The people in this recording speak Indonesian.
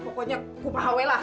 hah pokoknya kumahawelah